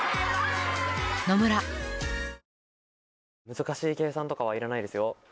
難しい計算とかは要らないですよ。